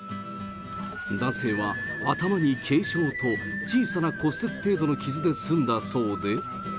男性は頭に軽傷と小さな骨折程度の傷で済んだそうで。